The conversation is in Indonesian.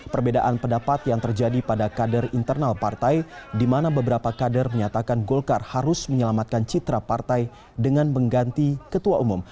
perbedaan pendapat yang terjadi pada kader internal partai di mana beberapa kader menyatakan golkar harus menyelamatkan citra partai dengan mengganti ketua umum